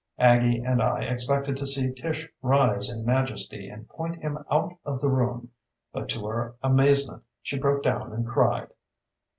Aggie and I expected to see Tish rise in majesty and point him out of the room. But to our amazement she broke down and cried.